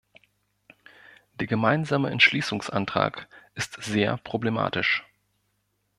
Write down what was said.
Der gemeinsame Entschließungsantrag ist sehr problematisch.